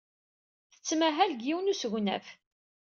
Tettmahal deg yiwen n usegnaf.